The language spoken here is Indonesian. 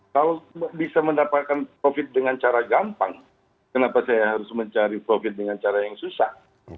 kalau bisa mendapatkan covid dengan cara gampang kenapa saya harus mencari profit dengan cara yang susah